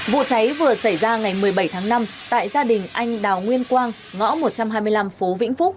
vụ cháy vừa xảy ra ngày một mươi bảy tháng năm tại gia đình anh đào nguyên quang ngõ một trăm hai mươi năm phố vĩnh phúc